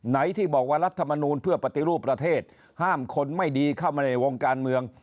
ที่บอกว่ารัฐมนูลเพื่อปฏิรูปประเทศห้ามคนไม่ดีเข้ามาในวงการเมือง